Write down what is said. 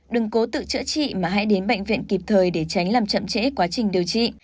đừng cố tự chữa trị mà hãy đến bệnh viện kịp thời để tránh làm chậm trễ quá trình điều trị